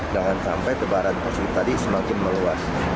jangan sampai tebaran positif tadi semakin meluas